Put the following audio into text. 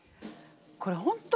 これ本当